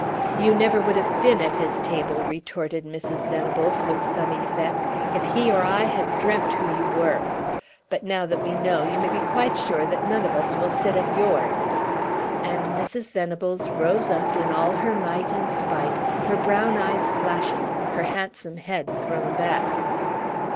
"You never would have been at his table," retorted Mrs. Venables, with some effect, "if he or I had dreamt who you were; but now that we know, you may be quite sure that none of us will sit at yours." And Mrs. Venables rose up in all her might and spite, her brown eyes flashing, her handsome head thrown back.